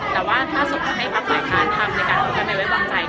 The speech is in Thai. แต่ว่าถ้าสมมติให้ปรับหลายการทำในการที่แฟนไม่ไว้วางใจ